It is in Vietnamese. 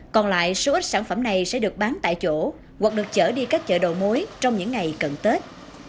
còn lại số ít sản phẩm này sẽ được bán tại chỗ hoặc được chở đi các chợ đầu mối trong những ngày cận tết